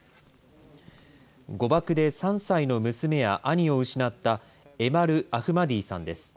誤爆で３歳の娘や兄を失ったエマル・アフマディさんです。